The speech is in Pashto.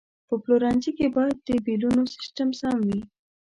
په پلورنځي کې باید د بیلونو سیستم سم وي.